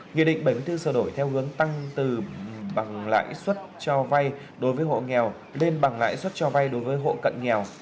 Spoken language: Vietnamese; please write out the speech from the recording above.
nghị định bảy mươi bốn sửa đổi theo hướng tăng từ bằng lãi suất cho vay đối với hộ nghèo lên bằng lãi suất cho vay đối với hộ cận nghèo